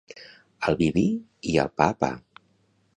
Al vi vi i al pa pa